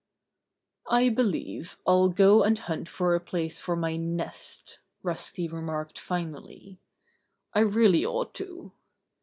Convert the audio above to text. "I believe I'll go and hunt for a place for my nest," Rusty remarked finally. "I really ought to."